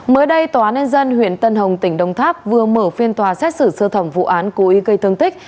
mới đây tòa án nhân dân huyện tân hồng tỉnh đông tháp vừa mở phiên tòa xét xử sơ thẩm vụ án cố ý gây thương tích